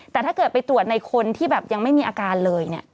แต่ถ้าเกิดไปตรวจในคนที่แบบยังไม่มีอาการเลยเนี่ย